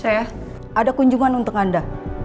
saya ada kunjungan untuk anda